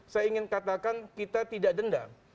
saya ingin katakan kita tidak dendam